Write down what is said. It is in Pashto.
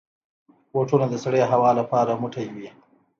بوټونه د سړې هوا لپاره موټی وي.